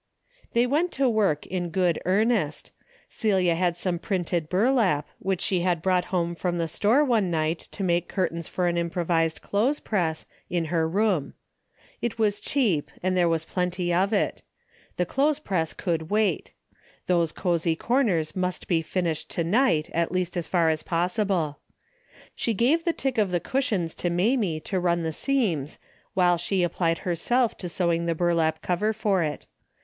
They went to work in good earnest. Celia had some printed burlap, which she had brought home from the store one night to make curtains for an improvised clothespress, 224 A DAILY BATEA^ in her room. It was cheap and there was plenty of it. The clothespress could wait. Those cozy corners must be finished to night, at least as far as possible. She gave the tick of the cushions to Mamie to run the seams, while she applied herself to sewing the burlap cover for it.